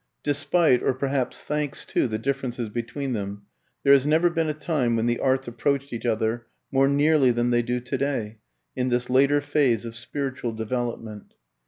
Despite, or perhaps thanks to, the differences between them, there has never been a time when the arts approached each other more nearly than they do today, in this later phase of spiritual development.